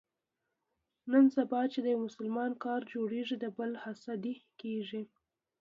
نن سبا چې د یو مسلمان کار جوړېږي، د بل حسدي کېږي.